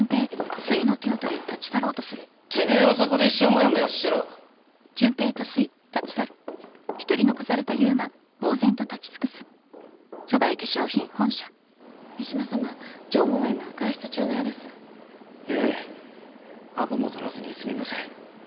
でもてめえはそこで一生モヤモヤしてろ三島さま常務は今外出中のようですええアポも取らずにすみません